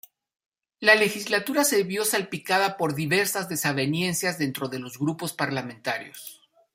La legislatura se vio salpicada por diversas desavenencias dentro de los grupos parlamentarios.